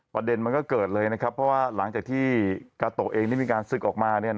ประเด็นมันก็เกิดเลยนะครับเพราะว่าหลังจากที่กาโตะเองได้มีการศึกออกมา